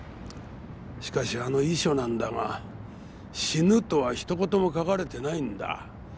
しかしあの遺書なんだが死ぬとは一言も書かれてないんだ。